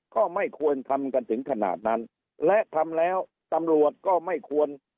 ก็ไม่ควรทำกันถึงขนาดนั้นและทำแล้วตำรวจก็ไม่ควร